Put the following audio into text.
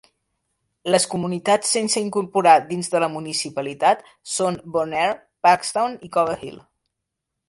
Les comunitats sense incorporar dins de la municipalitat són Bon Air, Parkstown i Cover Hill.